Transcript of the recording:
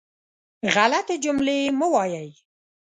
غلطې جملې مه وایئ.